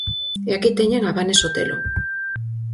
E aquí teñen a Vane Sotelo.